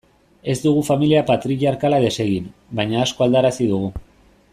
Ez dugu familia patriarkala desegin, baina asko aldarazi dugu.